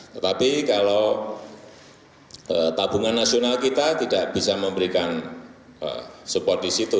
tetapi kalau tabungan nasional kita tidak bisa memberikan support di situ